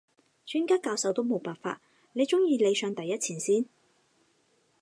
專家教授都冇辦法，你中意你上第一前線？